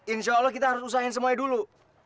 insya allah kita harus usahain semuanya dulu